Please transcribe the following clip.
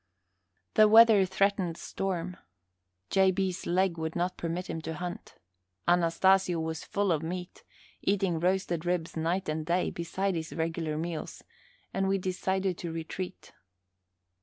The weather threatened storm. J. B.'s leg would not permit him to hunt. Anastasio was full of meat, eating roasted ribs night and day, beside his regular meals, and we decided to retreat.